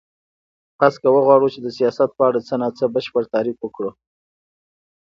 پس که وغواړو چی د سیاست په اړه څه نا څه بشپړ تعریف وکړو